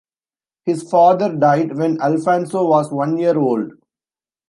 His father died when Alfonso was one year old.